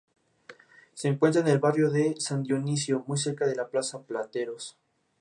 Se encuentra en el barrio de San Dionisio, muy cerca de la Plaza Plateros.